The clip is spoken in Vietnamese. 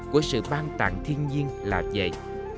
của sự ban tạng thiên nhiên làm vậy